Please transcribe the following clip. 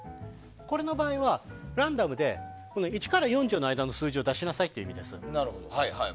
これの場合は、ランダムで１から４０の間の数字を出しなさいという意味です。